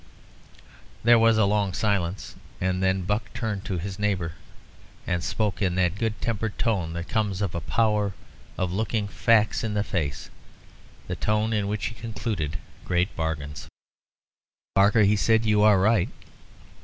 There was a long silence, and then Buck turned to his neighbour and spoke in that good tempered tone that comes of a power of looking facts in the face the tone in which he concluded great bargains. "Barker," he said, "you are right.